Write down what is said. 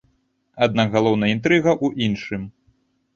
Аднак галоўная інтрыга ў іншым.